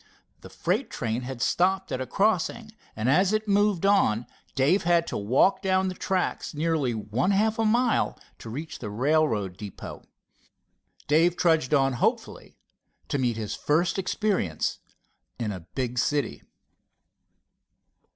The freight train had stopped at a crossing, and as it moved on Dave had to walk down the tracks nearly one half a mile to reach the railroad depot. Dave trudged on hopefully to meet his first experience in a big city.